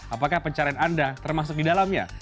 apakah pencarian anda termasuk di dalamnya